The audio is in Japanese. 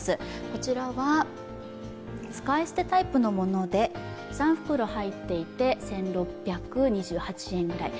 こちらは使い捨てタイプのもので３袋入っていて１７００円くらい。